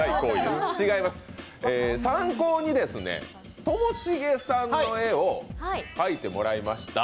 参考にともしげさんの絵を描いてもらいました。